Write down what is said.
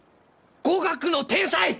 語学の天才！